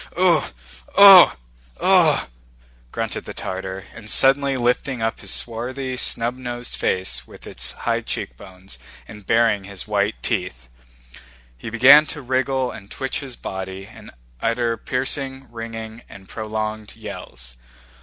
"Ooh, ooh, ooh!" grunted the Tartar, and suddenly lifting up his swarthy snub nosed face with its high cheekbones, and baring his white teeth, he began to wriggle and twitch his body and utter piercing, ringing, and prolonged yells.